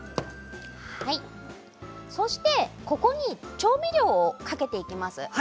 そしてここに調味料をかけていきます。